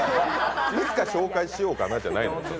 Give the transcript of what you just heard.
いつか紹介しようかなじゃないんですよ。